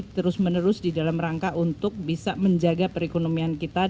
terus menerus di dalam rangka untuk bisa menjaga perekonomian kita